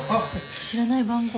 知らない番号。